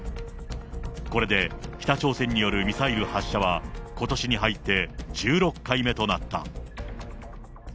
これで北朝鮮によるミサイル発射は、ことしに入って１６回目となった。